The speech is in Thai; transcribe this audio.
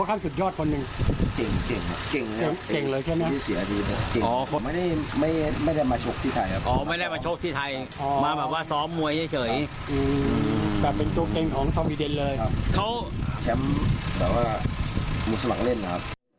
เขาแชมป์แบบว่ามุษลังเล่นค่ะ